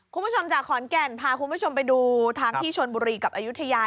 คุณผู้ชมจากขอนแก่นพาคุณผู้ชมไปดูทางที่ชนบุรีกับอายุทยา